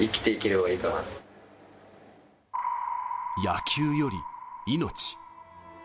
野球より命。